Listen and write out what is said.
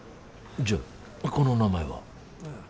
じゃあこの名前は？